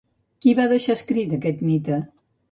Qui va deixar escrit aquest mite?